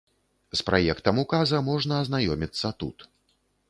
З праектам указа можна азнаёміцца тут.